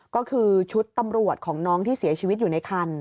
ก็คือชุดตำรวจของน้องที่เสียชีวิตอยู่ในคัน